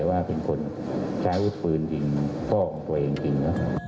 ว่าเป็นคนใช้รูปปืนเป็นข้อของตัวเองจริง